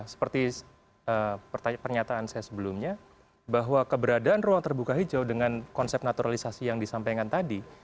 seperti pernyataan saya sebelumnya bahwa keberadaan ruang terbuka hijau dengan konsep naturalisasi yang disampaikan tadi